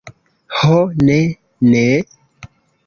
Ho, ne! Ne!